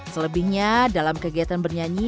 selebihnya dalam kegiatan bernyanyi